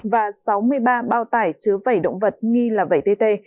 và sáu mươi ba bao tải chứa vẩy động vật nghi là vẩy tê